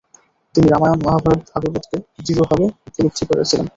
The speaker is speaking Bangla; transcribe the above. তিনি রামায়ণ, মহাভারত, ভাগবতকে দৃঢ়ভাবে উপলব্ধি করেছিলেন।